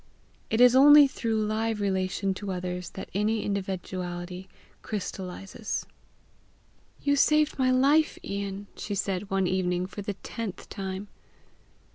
It is only through live relation to others that any individuality crystallizes. "You saved my life, Ian!" she said one evening for the tenth time.